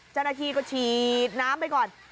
เจ้าหน้าที่ก็ฉีดน้ำไปก่อน